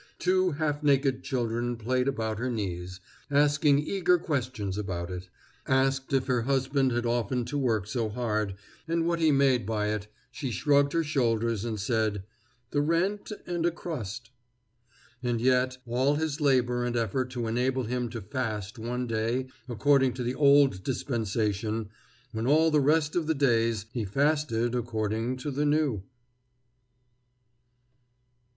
Two half naked children played about her knees, asking eager questions about it. Asked if her husband had often to work so hard, and what he made by it, she shrugged her shoulders and said: "The rent and a crust." And yet all this labor and effort to enable him to fast one day according to the old dispensation, when all the rest of the days he fasted according to the new!